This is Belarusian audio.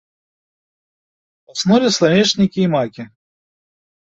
Паснулі сланечнікі і макі.